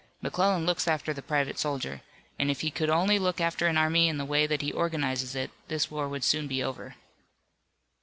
McClellan looks after the private soldier, and if he could only look after an army in the way that he organizes it this war would soon be over."